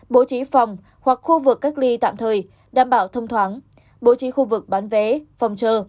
bố trí phòng hoặc khu vực cách ly tạm thời đảm bảo thông thoáng bố trí khu vực bán vé phòng chờ